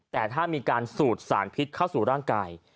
แต่ถ้ามีการสูดสารพิษเข้าสู่ร่างกาย